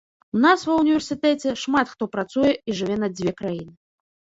У нас ва ўніверсітэце шмат хто працуе і жыве на дзве краіны.